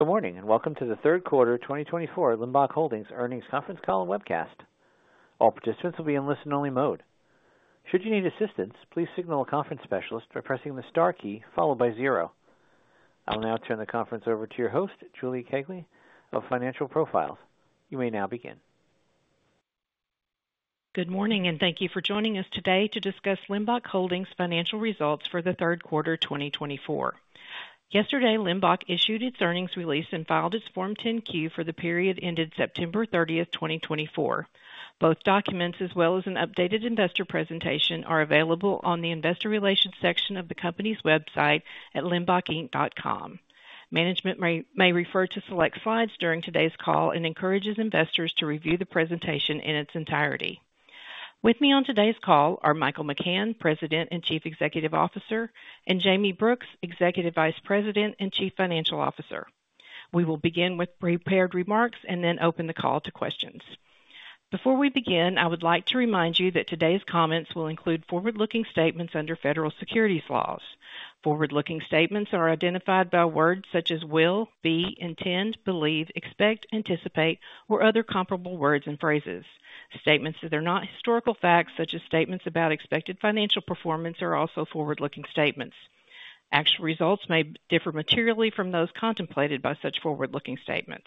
Good morning and welcome to the third quarter 2024 Limbach Holdings earnings conference call and webcast. All participants will be in listen-only mode. Should you need assistance, please signal a conference specialist by pressing the star key followed by zero. I'll now turn the conference over to your host, Julie Kegley, of Financial Profiles. You may now begin. Good morning and thank you for joining us today to discuss Limbach Holdings' financial results for the third quarter 2024. Yesterday, Limbach issued its earnings release and filed its Form 10-Q for the period ended September 30, 2024. Both documents, as well as an updated investor presentation, are available on the investor relations section of the company's website at limbachinc.com. Management may refer to select slides during today's call and encourages investors to review the presentation in its entirety. With me on today's call are Michael McCann, President and Chief Executive Officer, and Jayme Brooks, Executive Vice President and Chief Financial Officer. We will begin with prepared remarks and then open the call to questions. Before we begin, I would like to remind you that today's comments will include forward-looking statements under federal securities laws. Forward-looking statements are identified by words such as will, be, intend, believe, expect, anticipate, or other comparable words and phrases. Statements that are not historical facts, such as statements about expected financial performance, are also forward-looking statements. Actual results may differ materially from those contemplated by such forward-looking statements.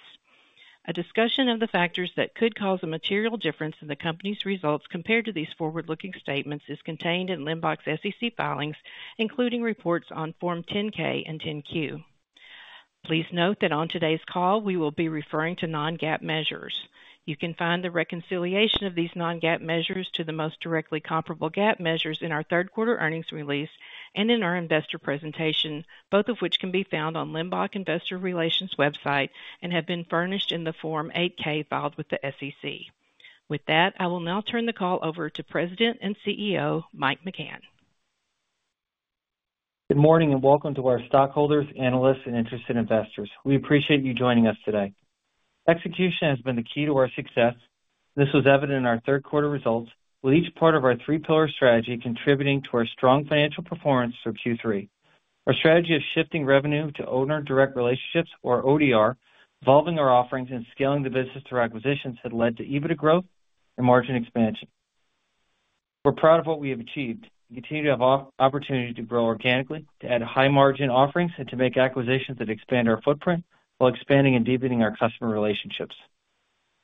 A discussion of the factors that could cause a material difference in the company's results compared to these forward-looking statements is contained in Limbach's SEC filings, including reports on Form 10-K and 10-Q. Please note that on today's call, we will be referring to non-GAAP measures. You can find the reconciliation of these non-GAAP measures to the most directly comparable GAAP measures in our third quarter earnings release and in our investor presentation, both of which can be found on Limbach's Investor Relations website and have been furnished in the Form 8-K filed with the SEC. With that, I will now turn the call over to President and CEO Mike McCann. Good morning and welcome to our stockholders, analysts, and interested investors. We appreciate you joining us today. Execution has been the key to our success. This was evident in our third quarter results, with each part of our three-pillar strategy contributing to our strong financial performance for Q3. Our strategy of shifting revenue to owner-direct relationships, or ODR, evolving our offerings and scaling the business through acquisitions has led to EBITDA growth and margin expansion. We're proud of what we have achieved. We continue to have opportunities to grow organically, to add high-margin offerings, and to make acquisitions that expand our footprint while expanding and deepening our customer relationships.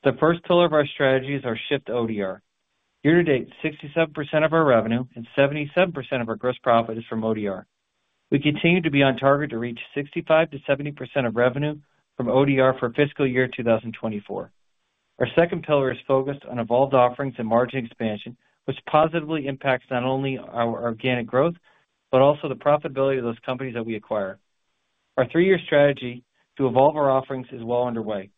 The first pillar of our strategy is our shift to ODR. Year-to-date, 67% of our revenue and 77% of our gross profit is from ODR. We continue to be on target to reach 65%-70% of revenue from ODR for fiscal year 2024. Our second pillar is focused on evolved offerings and margin expansion, which positively impacts not only our organic growth but also the profitability of those companies that we acquire. Our three-year strategy to evolve our offerings is well underway.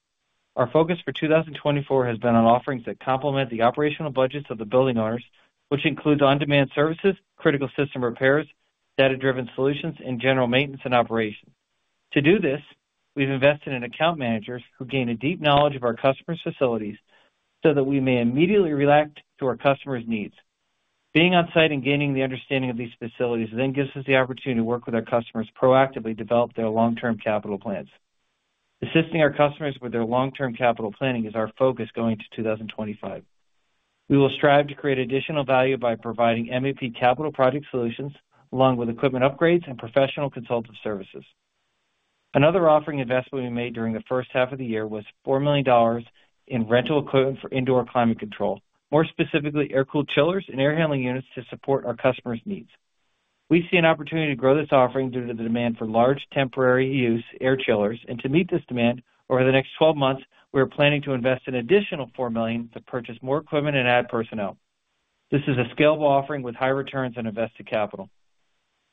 Our focus for 2024 has been on offerings that complement the operational budgets of the building owners, which includes on-demand services, critical system repairs, data-driven solutions, and general maintenance and operations. To do this, we've invested in account managers who gain a deep knowledge of our customers' facilities so that we may immediately react to our customers' needs. Being on site and gaining the understanding of these facilities then gives us the opportunity to work with our customers proactively to develop their long-term capital plans. Assisting our customers with their long-term capital planning is our focus going into 2025. We will strive to create additional value by providing MEP Capital Project Solutions along with equipment upgrades and professional consultative services. Another offering investment we made during the first half of the year was $4 million in rental equipment for indoor climate control, more specifically air-cooled chillers and air handling units to support our customers' needs. We see an opportunity to grow this offering due to the demand for large temporary-use air chillers, and to meet this demand, over the next 12 months, we are planning to invest an additional $4 million to purchase more equipment and add personnel. This is a scalable offering with high returns on invested capital.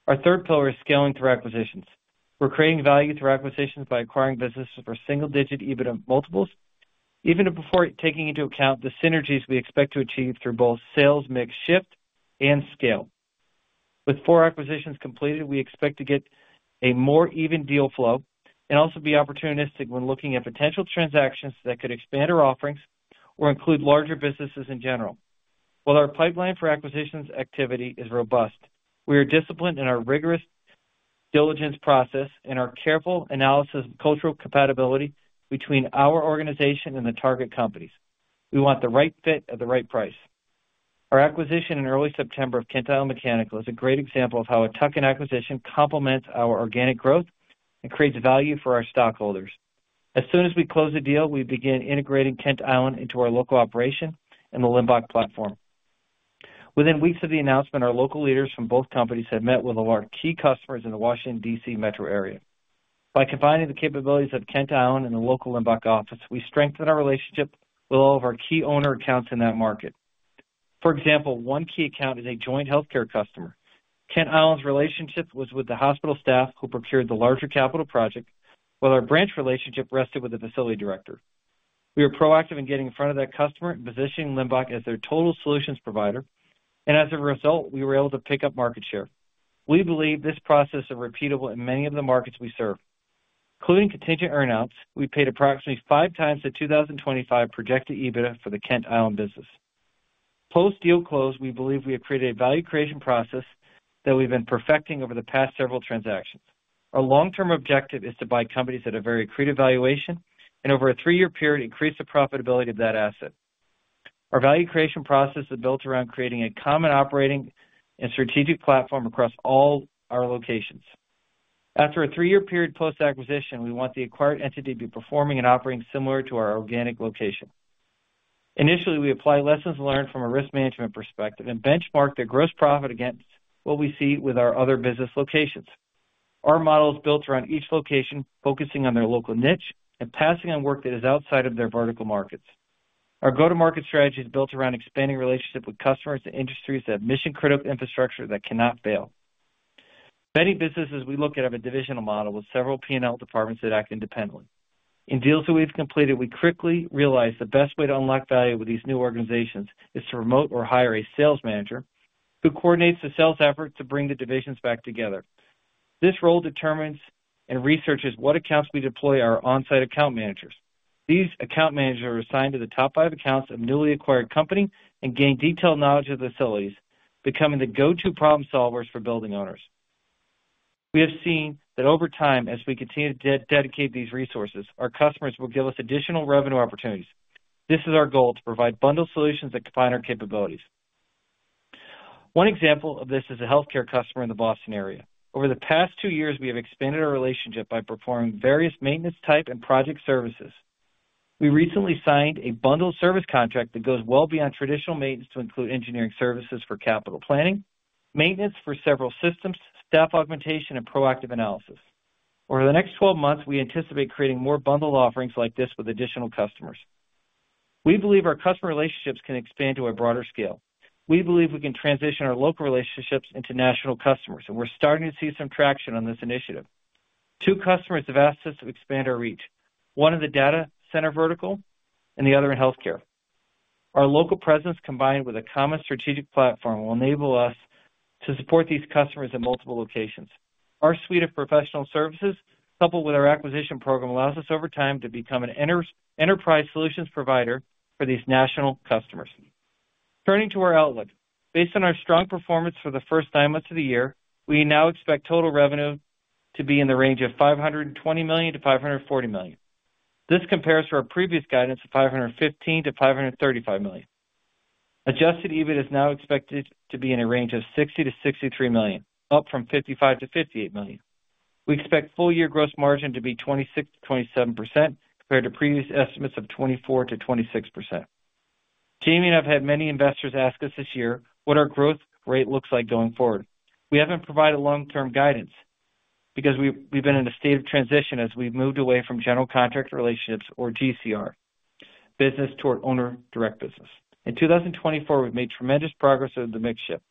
Our third pillar is scaling through acquisitions. We're creating value through acquisitions by acquiring businesses for single-digit EBITDA multiples, even before taking into account the synergies we expect to achieve through both sales mix shift and scale. With four acquisitions completed, we expect to get a more even deal flow and also be opportunistic when looking at potential transactions that could expand our offerings or include larger businesses in general. While our pipeline for acquisitions activity is robust, we are disciplined in our rigorous diligence process and our careful analysis of cultural compatibility between our organization and the target companies. We want the right fit at the right price. Our acquisition in early September of Kent Island Mechanical is a great example of how a tuck-in acquisition complements our organic growth and creates value for our stockholders. As soon as we close the deal, we begin integrating Kent Island into our local operation and the Limbach platform. Within weeks of the announcement, our local leaders from both companies have met with our key customers in the Washington, D.C. metro area. By combining the capabilities of Kent Island and the local Limbach office, we strengthen our relationship with all of our key owner accounts in that market. For example, one key account is a joint healthcare customer. Kent Island's relationship was with the hospital staff who procured the larger capital project, while our branch relationship rested with the facility director. We were proactive in getting in front of that customer and positioning Limbach as their total solutions provider, and as a result, we were able to pick up market share. We believe this process is repeatable in many of the markets we serve. Including contingent earnouts, we paid approximately five times the 2025 projected EBITDA for the Kent Island business. Post-deal close, we believe we have created a value creation process that we've been perfecting over the past several transactions. Our long-term objective is to buy companies at a very accretive valuation and, over a three-year period, increase the profitability of that asset. Our value creation process is built around creating a common operating and strategic platform across all our locations. After a three-year period post-acquisition, we want the acquired entity to be performing and operating similar to our organic location. Initially, we apply lessons learned from a risk management perspective and benchmark their gross profit against what we see with our other business locations. Our model is built around each location focusing on their local niche and passing on work that is outside of their vertical markets. Our go-to-market strategy is built around expanding relationships with customers and industries that have mission-critical infrastructure that cannot fail. Many businesses we look at have a divisional model with several P&L departments that act independently. In deals that we've completed, we quickly realized the best way to unlock value with these new organizations is to promote or hire a sales manager who coordinates the sales effort to bring the divisions back together. This role determines and researches what accounts we deploy our on-site account managers. These account managers are assigned to the top five accounts of newly acquired companies and gain detailed knowledge of the facilities, becoming the go-to problem solvers for building owners. We have seen that over time, as we continue to dedicate these resources, our customers will give us additional revenue opportunities. This is our goal: to provide bundled solutions that combine our capabilities. Example of this is a healthcare customer in the Boston area. Over the past two years, we have expanded our relationship by performing various maintenance-type and project services. We recently signed a bundled service contract that goes well beyond traditional maintenance to include engineering services for capital planning, maintenance for several systems, staff augmentation, and proactive analysis. Over the next 12 months, we anticipate creating more bundled offerings like this with additional customers. We believe our customer relationships can expand to a broader scale. We believe we can transition our local relationships into national customers, and we're starting to see some traction on this initiative. Two customers have asked us to expand our reach: one in the data center vertical and the other in healthcare. Our local presence, combined with a common strategic platform, will enable us to support these customers at multiple locations. Our suite of professional services, coupled with our acquisition program, allows us, over time, to become an enterprise solutions provider for these national customers. Turning to our outlook, based on our strong performance for the first nine months of the year, we now expect total revenue to be in the range of $520 million-$540 million. This compares to our previous guidance of $515 million-$535 million. Adjusted EBIT is now expected to be in a range of $60 million-$63 million, up from $55 million-$58 million. We expect full-year gross margin to be 26%-27% compared to previous estimates of 24%-26%. Jayme and I have had many investors ask us this year what our growth rate looks like going forward. We haven't provided long-term guidance because we've been in a state of transition as we've moved away from General Contractor Relationships, or GCR, business toward owner-direct business. In 2024, we've made tremendous progress over the mix shift.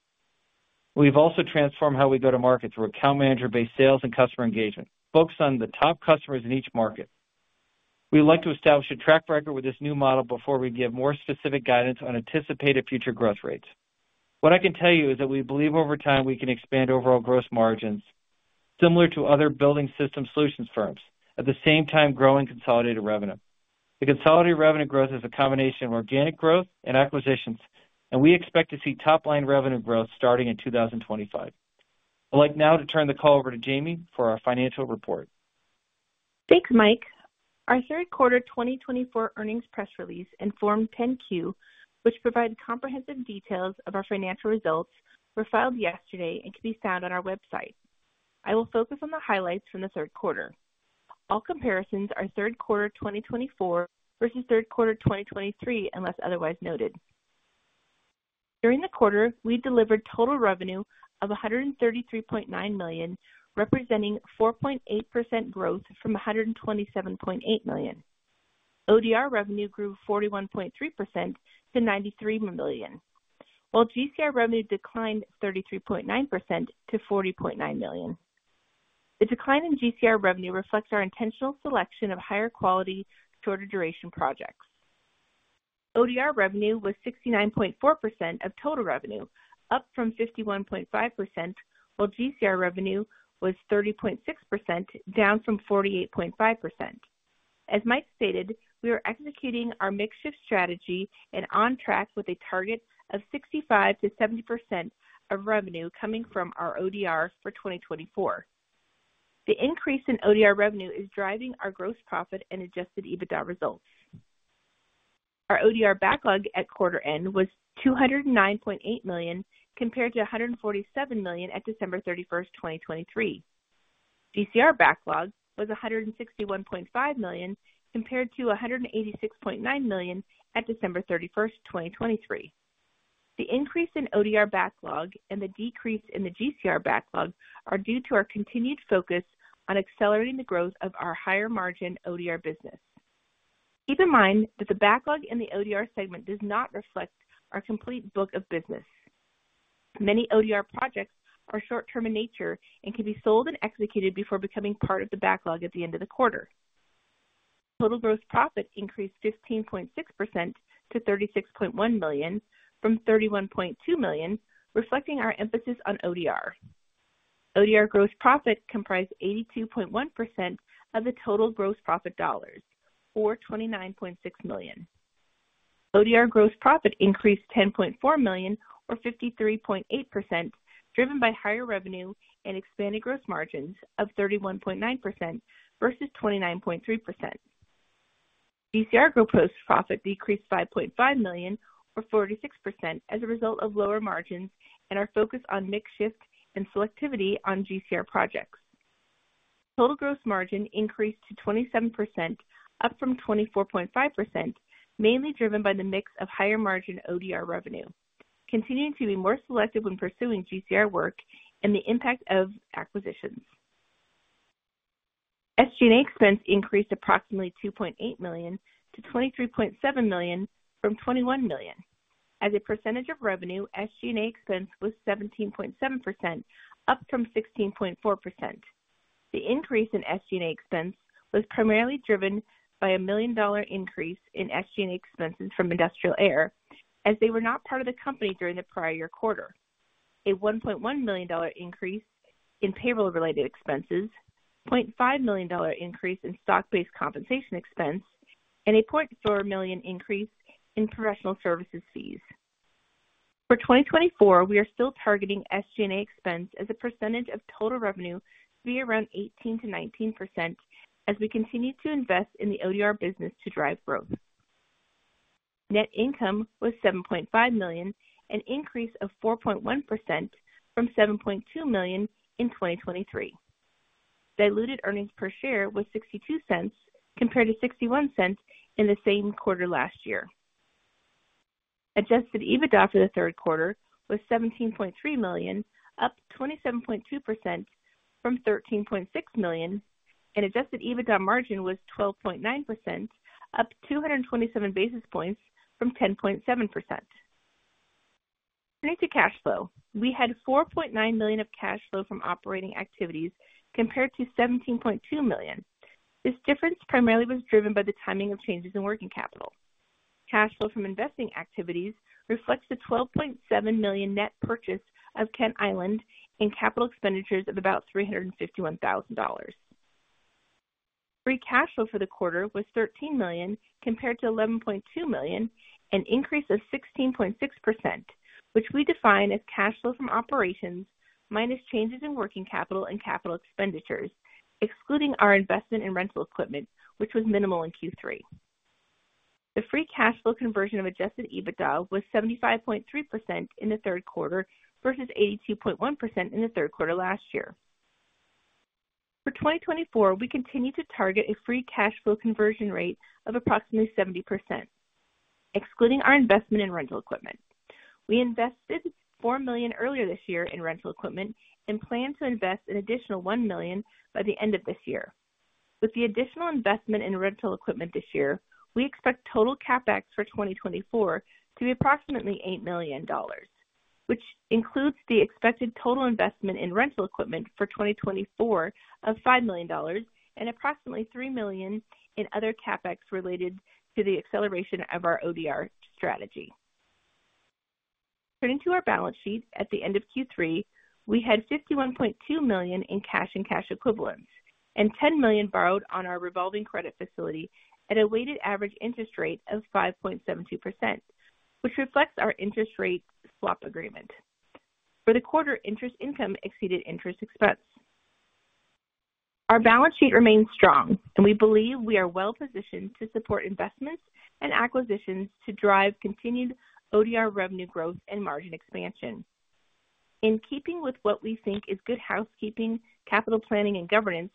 We've also transformed how we go to market through account manager-based sales and customer engagement, focused on the top customers in each market. We'd like to establish a track record with this new model before we give more specific guidance on anticipated future growth rates. What I can tell you is that we believe, over time, we can expand overall gross margins similar to other building system solutions firms, at the same time growing consolidated revenue. The consolidated revenue growth is a combination of organic growth and acquisitions, and we expect to see top-line revenue growth starting in 2025. I'd like now to turn the call over to Jamie for our financial report. Thanks, Mike. Our third quarter 2024 earnings press release and Form 10-Q, which provided comprehensive details of our financial results, were filed yesterday and can be found on our website. I will focus on the highlights from the third quarter. All comparisons are third quarter 2024 versus third quarter 2023, unless otherwise noted. During the quarter, we delivered total revenue of $133.9 million, representing 4.8% growth from $127.8 million. ODR revenue grew 41.3% to $93 million, while GCR revenue declined 33.9% to $40.9 million. The decline in GCR revenue reflects our intentional selection of higher-quality, shorter-duration projects. ODR revenue was 69.4% of total revenue, up from 51.5%, while GCR revenue was 30.6%, down from 48.5%. As Mike stated, we are executing our mix shift strategy and on track with a target of 65% to 70% of revenue coming from our ODRs for 2024. The increase in ODR revenue is driving our gross profit and adjusted EBITDA results. Our ODR backlog at quarter end was $209.8 million compared to $147 million at December 31, 2023. GCR backlog was $161.5 million compared to $186.9 million at December 31, 2023. The increase in ODR backlog and the decrease in the GCR backlog are due to our continued focus on accelerating the growth of our higher-margin ODR business. Keep in mind that the backlog in the ODR segment does not reflect our complete book of business. Many ODR projects are short-term in nature and can be sold and executed before becoming part of the backlog at the end of the quarter. Total gross profit increased 15.6% to $36.1 million from $31.2 million, reflecting our emphasis on ODR. ODR gross profit comprised 82.1% of the total gross profit dollars, or $29.6 million. ODR gross profit increased $10.4 million, or 53.8%, driven by higher revenue and expanded gross margins of 31.9% versus 29.3%. GCR gross profit decreased $5.5 million, or 46%, as a result of lower margins and our focus on mix shift and selectivity on GCR projects. Total gross margin increased to 27%, up from 24.5%, mainly driven by the mix of higher-margin ODR revenue, continuing to be more selective when pursuing GCR work and the impact of acquisitions. SG&A expense increased approximately $2.8 million to $23.7 million from $21 million. As a percentage of revenue, SG&A expense was 17.7%, up from 16.4%. The increase in SG&A expense was primarily driven by a $1 million increase in SG&A expenses from Industrial Air, as they were not part of the company during the prior year quarter, a $1.1 million increase in payroll-related expenses, a $0.5 million increase in stock-based compensation expense, and a $0.4 million increase in professional services fees. For 2024, we are still targeting SG&A expense as a percentage of total revenue to be around 18%-19% as we continue to invest in the ODR business to drive growth. Net income was $7.5 million, an increase of 4.1% from $7.2 million in 2023. Diluted earnings per share was $0.62 compared to $0.61 in the same quarter last year. Adjusted EBITDA for the third quarter was $17.3 million, up 27.2% from $13.6 million, and adjusted EBITDA margin was 12.9%, up 227 basis points from 10.7%. Turning to cash flow, we had $4.9 million of cash flow from operating activities compared to $17.2 million. This difference primarily was driven by the timing of changes in working capital. Cash flow from investing activities reflects the $12.7 million net purchase of Kent Island and capital expenditures of about $351,000. Free cash flow for the quarter was $13 million compared to $11.2 million, an increase of 16.6%, which we define as cash flow from operations minus changes in working capital and capital expenditures, excluding our investment in rental equipment, which was minimal in Q3. The free cash flow conversion of Adjusted EBITDA was 75.3% in the third quarter versus 82.1% in the third quarter last year. For 2024, we continue to target a free cash flow conversion rate of approximately 70%, excluding our investment in rental equipment. We invested $4 million earlier this year in rental equipment and plan to invest an additional $1 million by the end of this year. With the additional investment in rental equipment this year, we expect total CapEx for 2024 to be approximately $8 million, which includes the expected total investment in rental equipment for 2024 of $5 million and approximately $3 million in other CapEx related to the acceleration of our ODR strategy. Turning to our balance sheet, at the end of Q3, we had $51.2 million in cash and cash equivalents and $10 million borrowed on our revolving credit facility at a weighted average interest rate of 5.72%, which reflects our interest rate swap agreement. For the quarter, interest income exceeded interest expense. Our balance sheet remains strong, and we believe we are well-positioned to support investments and acquisitions to drive continued ODR revenue growth and margin expansion. In keeping with what we think is good housekeeping, capital planning, and governance,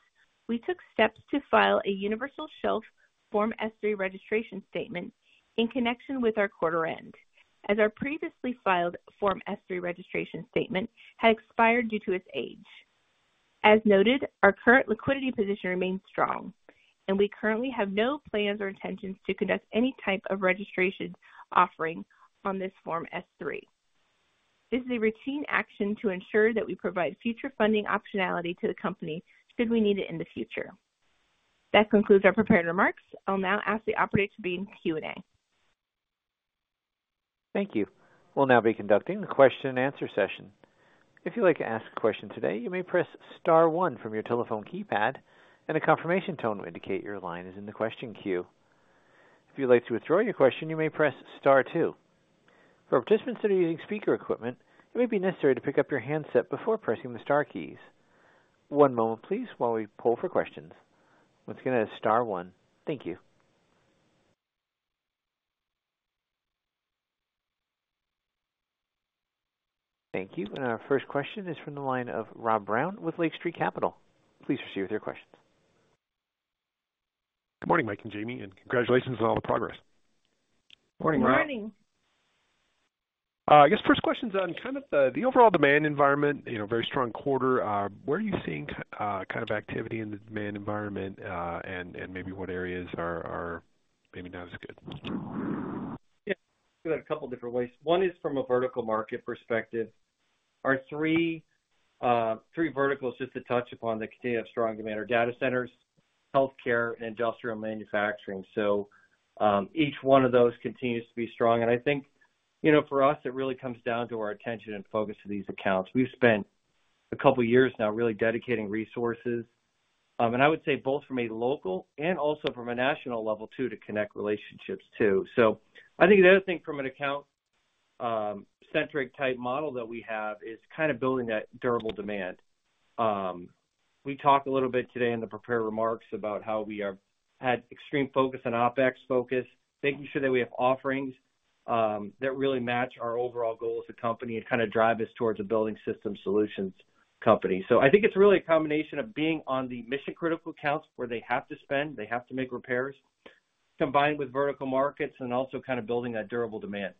we took steps to file a Universal Shelf Form S-3 registration statement in connection with our quarter end, as our previously filed Form S-3 registration statement had expired due to its age. As noted, our current liquidity position remains strong, and we currently have no plans or intentions to conduct any type of registration offering on this Form S-3. This is a routine action to ensure that we provide future funding optionality to the company should we need it in the future. That concludes our prepared remarks. I'll now ask the operators to begin Q&A. Thank you. We'll now be conducting the question-and-answer session. If you'd like to ask a question today, you may press Star one from your telephone keypad, and a confirmation tone will indicate your line is in the question queue. If you'd like to withdraw your question, you may press Star two. For participants that are using speaker equipment, it may be necessary to pick up your handset before pressing the Star keys. One moment, please, while we pull for questions. Once again, that is Star one. Thank you. Thank you. And our first question is from the line of Rob Brown with Lake Street Capital Markets. Please proceed with your questions. Good morning, Mike and Jayme, and congratulations on all the progress. Morning, Rob. Good morning. I guess first question's on kind of the overall demand environment, very strong quarter. Where are you seeing kind of activity in the demand environment, and maybe what areas are maybe not as good? Yeah. We've got a couple of different ways. One is from a vertical market perspective. Our three verticals, just to touch upon the continued strong demand, are data centers, healthcare, and industrial manufacturing. So each one of those continues to be strong. And I think for us, it really comes down to our attention and focus to these accounts. We've spent a couple of years now really dedicating resources, and I would say both from a local and also from a national level, too, to connect relationships, too. So I think the other thing from an account-centric type model that we have is kind of building that durable demand. We talked a little bit today in the prepared remarks about how we have had extreme focus on OpEx focus, making sure that we have offerings that really match our overall goals as a company and kind of drive us towards a building system solutions company. So I think it's really a combination of being on the mission-critical accounts where they have to spend, they have to make repairs, combined with vertical markets and also kind of building that durable demand.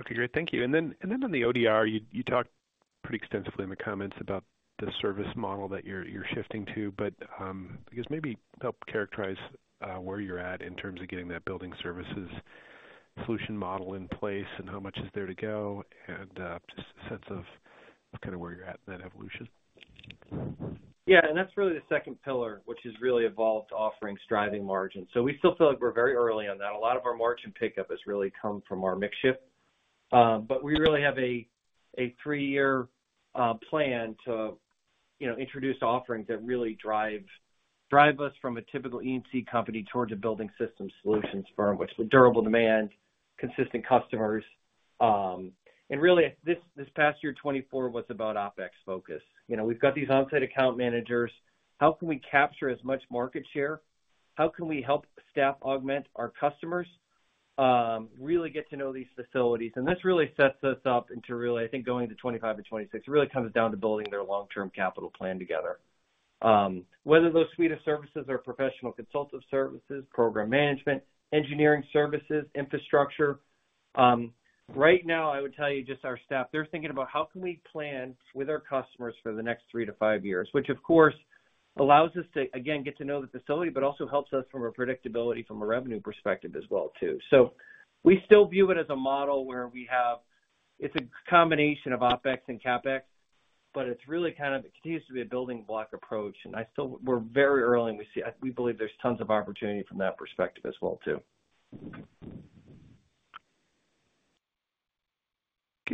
Okay. Great. Thank you. And then on the ODR, you talked pretty extensively in the comments about the service model that you're shifting to, but I guess maybe help characterize where you're at in terms of getting that building services solution model in place and how much is there to go and just a sense of kind of where you're at in that evolution. Yeah. And that's really the second pillar, which has really evolved offerings, driving margins. So we still feel like we're very early on that. A lot of our margin pickup has really come from our mix shift, but we really have a three-year plan to introduce offerings that really drive us from a typical E&C company towards a building system solutions firm, which is durable demand, consistent customers. And really, this past year, 2024, was about OpEx focus. We've got these onsite account managers. How can we capture as much market share? How can we help staff augment our customers, really get to know these facilities? And this really sets us up into really, I think, going to 2025 and 2026. It really comes down to building their long-term capital plan together. Whether those suite of services are professional consultative services, program management, engineering services, infrastructure, right now, I would tell you just our staff, they're thinking about how can we plan with our customers for the next three to five years, which, of course, allows us to, again, get to know the facility, but also helps us from a predictability from a revenue perspective as well, too. So we still view it as a model where we have it's a combination of OpEx and CapEx, but it's really kind of it continues to be a building block approach. And we're very early, and we believe there's tons of opportunity from that perspective as well, too.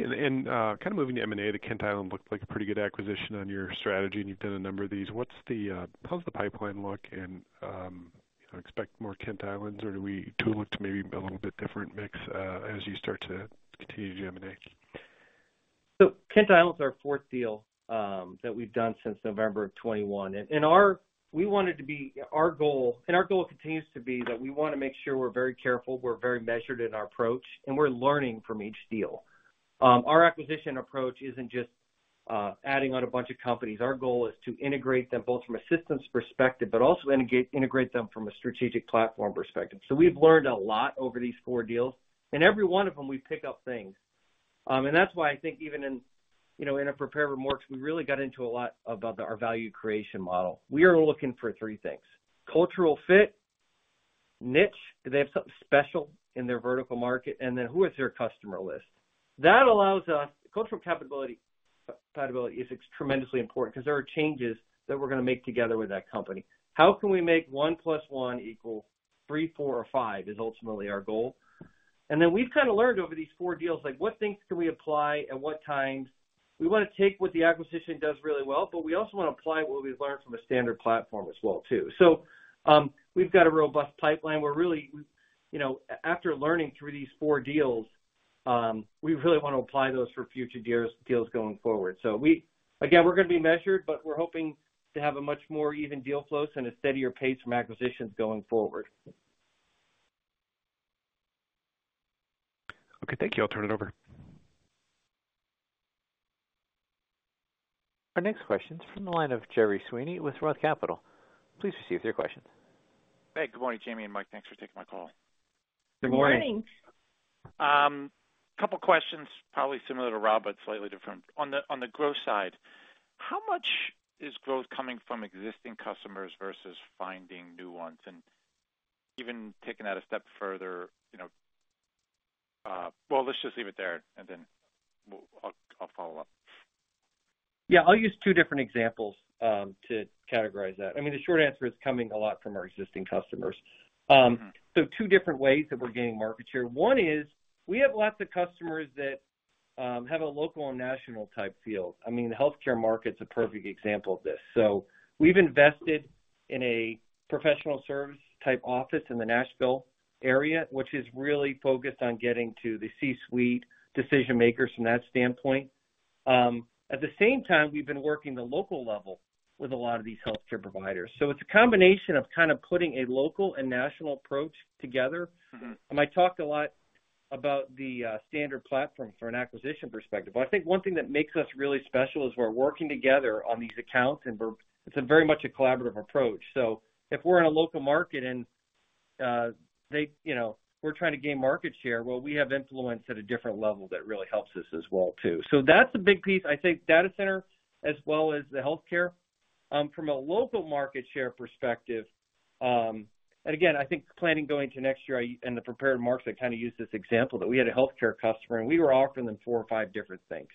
Kind of moving to M&A, the Kent Island looked like a pretty good acquisition on your strategy, and you've done a number of these. How does the pipeline look? Expect more Kent Islands, or do we look to maybe a little bit different mix as you start to continue to M&A? Kent Island is our fourth deal that we've done since November of 2021. And we wanted to be our goal, and our goal continues to be that we want to make sure we're very careful, we're very measured in our approach, and we're learning from each deal. Our acquisition approach isn't just adding on a bunch of companies. Our goal is to integrate them both from a systems perspective, but also integrate them from a strategic platform perspective. So we've learned a lot over these four deals, and every one of them, we pick up things. And that's why I think even in our prepared remarks, we really got into a lot about our value creation model. We are looking for three things: cultural fit, niche, do they have something special in their vertical market, and then who is their customer list? That allows us. Cultural compatibility is tremendously important because there are changes that we're going to make together with that company. How can we make one plus one equal three, four, or five? Is ultimately our goal, and then we've kind of learned over these four deals, what things can we apply at what times? We want to take what the acquisition does really well, but we also want to apply what we've learned from a standard platform as well, too, so we've got a robust pipeline. After learning through these four deals, we really want to apply those for future deals going forward, so again, we're going to be measured, but we're hoping to have a much more even deal flows and a steadier pace from acquisitions going forward. Okay. Thank you. I'll turn it over. Our next question's from the line of Gerry Sweeney with Roth Capital. Please proceed with your questions. Hey. Good morning, Jayme and Mike. Thanks for taking my call. Good morning. Good morning. A couple of questions, probably similar to Rob, but slightly different. On the growth side, how much is growth coming from existing customers versus finding new ones? And even taking that a step further, well, let's just leave it there, and then I'll follow up. Yeah. I'll use two different examples to categorize that. I mean, the short answer is coming a lot from our existing customers. So two different ways that we're gaining market share. One is we have lots of customers that have a local and national type field. I mean, the healthcare market's a perfect example of this. So we've invested in a professional service type office in the Nashville area, which is really focused on getting to the C-suite decision-makers from that standpoint. At the same time, we've been working the local level with a lot of these healthcare providers. So it's a combination of kind of putting a local and national approach together. And I talked a lot about the standard platform from an acquisition perspective, but I think one thing that makes us really special is we're working together on these accounts, and it's very much a collaborative approach. So if we're in a local market and we're trying to gain market share, well, we have influence at a different level that really helps us as well, too. So that's a big piece. I think data center as well as the healthcare from a local market share perspective. And again, I think planning going to next year and the prepared remarks, I kind of used this example that we had a healthcare customer, and we were offering them four or five different things.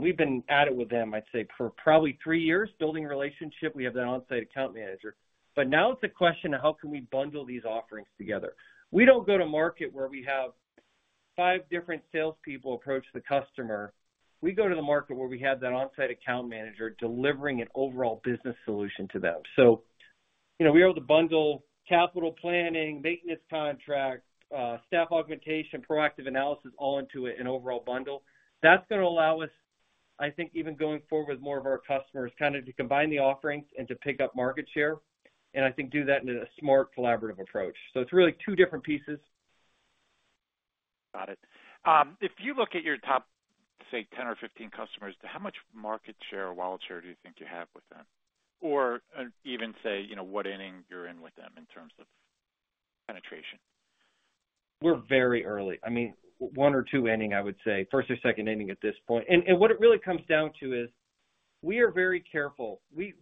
We've been at it with them, I'd say, for probably three years, building relationship. We have that onsite account manager. But now it's a question of how can we bundle these offerings together. We don't go to market where we have five different salespeople approach the customer. We go to the market where we have that onsite account manager delivering an overall business solution to them. So we are able to bundle capital planning, maintenance contract, staff augmentation, proactive analysis all into an overall bundle. That's going to allow us, I think, even going forward with more of our customers kind of to combine the offerings and to pick up market share and, I think, do that in a smart collaborative approach, so it's really two different pieces. Got it. If you look at your top, say, 10 or 15 customers, how much market share or wallet share do you think you have with them? Or even, say, what inning you're in with them in terms of penetration? We're very early. I mean, one or two innings, I would say, first or second inning at this point, and what it really comes down to is we are very careful. We've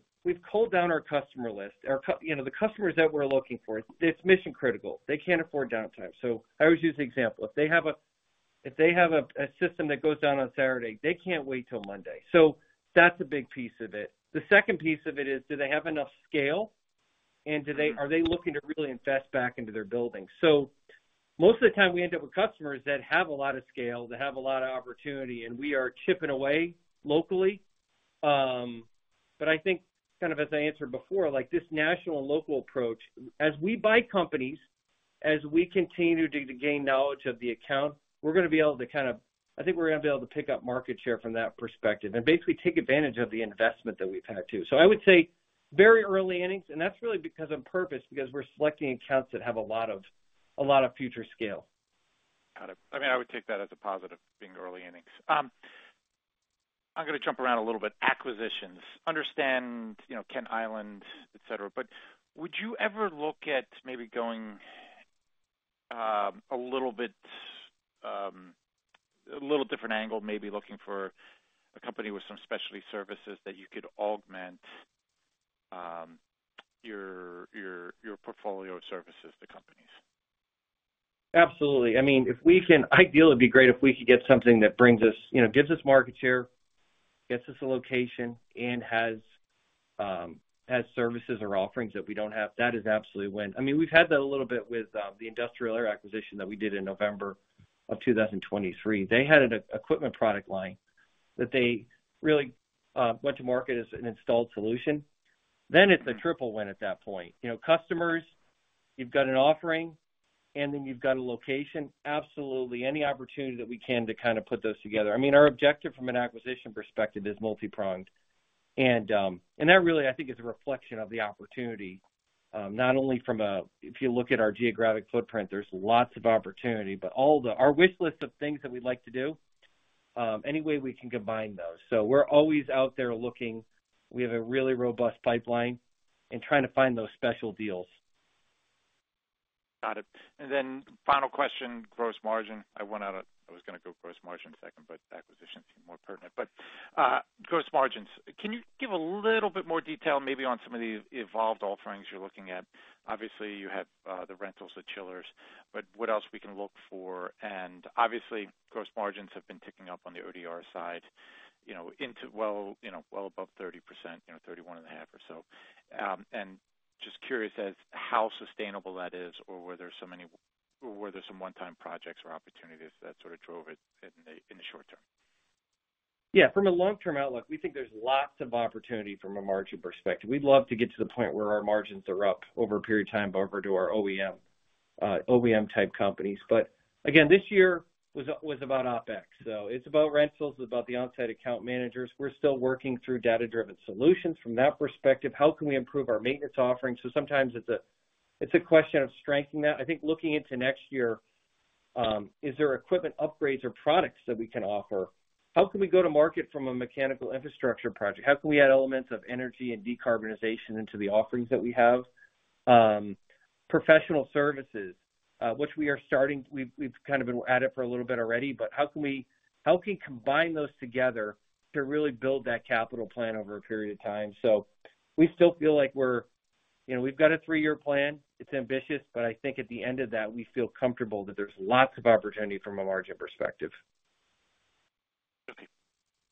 culled down our customer list. The customers that we're looking for, it's mission-critical. They can't afford downtime, so I always use the example. If they have a system that goes down on Saturday, they can't wait till Monday, so that's a big piece of it. The second piece of it is, do they have enough scale, and are they looking to really invest back into their building, so most of the time, we end up with customers that have a lot of scale, that have a lot of opportunity, and we are chipping away locally. But I think kind of as I answered before, this national and local approach, as we buy companies, as we continue to gain knowledge of the account, we're going to be able to kind of I think pick up market share from that perspective and basically take advantage of the investment that we've had, too. So I would say very early innings, and that's really because of purpose, because we're selecting accounts that have a lot of future scale. Got it. I mean, I would take that as a positive, being early innings. I'm going to jump around a little bit. Acquisitions. Understand Kent Island, etc. But would you ever look at maybe going a little bit a little different angle, maybe looking for a company with some specialty services that you could augment your portfolio of services to companies? Absolutely. I mean, if we can ideally, it'd be great if we could get something that gives us market share, gets us a location, and has services or offerings that we don't have. That is absolutely a win. I mean, we've had that a little bit with the Industrial Air acquisition that we did in November of 2023. They had an equipment product line that they really went to market as an installed solution. Then it's a triple win at that point. Customers, you've got an offering, and then you've got a location. Absolutely any opportunity that we can to kind of put those together. I mean, our objective from an acquisition perspective is multi-pronged. And that really, I think, is a reflection of the opportunity, not only from, if you look at our geographic footprint, there's lots of opportunity, but all the our wish list of things that we'd like to do, any way we can combine those. So we're always out there looking. We have a really robust pipeline and trying to find those special deals. Got it. And then final question, gross margin. I was going to go gross margin second, but acquisitions seem more pertinent. But gross margins, can you give a little bit more detail maybe on some of the evolved offerings you're looking at? Obviously, you have the rentals, the chillers, but what else we can look for? And obviously, gross margins have been ticking up on the ODR side into well above 30%, 31.5% or so. And just curious as to how sustainable that is or whether there's some one-time projects or opportunities that sort of drove it in the short term. Yeah. From a long-term outlook, we think there's lots of opportunity from a margin perspective. We'd love to get to the point where our margins are up over a period of time over to our OEM-type companies. But again, this year was about OpEx. So it's about rentals, it's about the onsite account managers. We're still working through data-driven solutions from that perspective. How can we improve our maintenance offering? So sometimes it's a question of strengthening that. I think looking into next year, is there equipment upgrades or products that we can offer? How can we go to market from a mechanical infrastructure project? How can we add elements of energy and decarbonization into the offerings that we have? Professional services, which we are starting, we've kind of been at it for a little bit already, but how can we combine those together to really build that capital plan over a period of time? So we still feel like we've got a three-year plan. It's ambitious, but I think at the end of that, we feel comfortable that there's lots of opportunity from a margin perspective. Okay.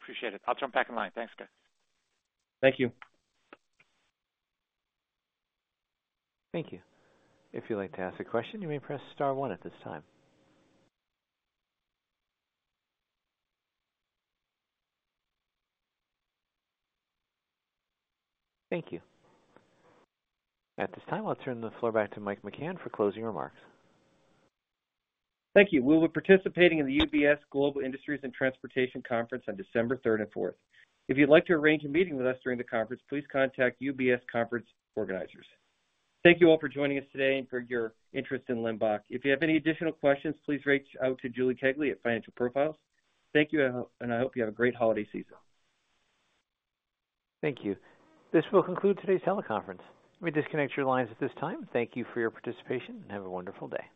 Appreciate it. I'll jump back in line. Thanks, guys. Thank you. Thank you. If you'd like to ask a question, you may press star one at this time. Thank you. At this time, I'll turn the floor back to Mike McCann for closing remarks. Thank you. We will be participating in the UBS Global Industrials and Transportation Conference on December 3rd and 4th. If you'd like to arrange a meeting with us during the conference, please contact UBS conference organizers. Thank you all for joining us today and for your interest in Limbach. If you have any additional questions, please reach out to Julie Kegley at Financial Profiles. Thank you, and I hope you have a great holiday season. Thank you. This will conclude today's teleconference. Let me disconnect your lines at this time. Thank you for your participation, and have a wonderful day.